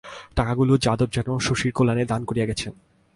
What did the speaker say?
টাকাগুলি যাদব যেন শশীর কল্যাণেই দান করিয়া গিয়াছেন।